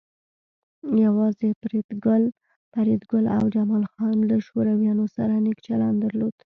یوازې فریدګل او جمال خان له شورویانو سره نیک چلند درلود